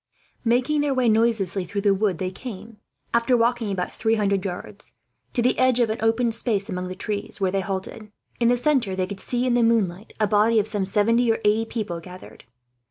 Making their way noiselessly through the wood they came, after walking about three hundred yards, to the edge of an open space among the trees, where they halted. In the centre they could see, in the moonlight, a body of some seventy or eighty people gathered.